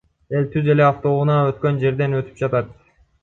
Эл түз эле автоунаа өткөн жерден өтүп жатат.